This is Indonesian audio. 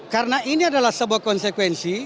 karena ini adalah sebuah konsekuensi